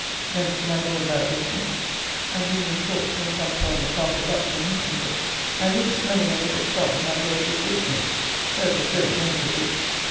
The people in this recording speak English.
Thence to my Lord about business, and being in talk in comes one with half a buck from Hinchinbroke, and it smelling a little strong my Lord did give it me (though it was as good as any could be).